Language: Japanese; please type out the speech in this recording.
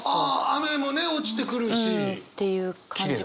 雨もね落ちてくるし！っていう感じかな。